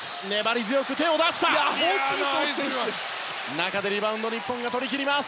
中でリバウンド日本がとりきります。